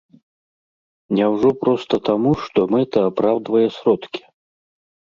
Няўжо проста таму, што мэта апраўдвае сродкі?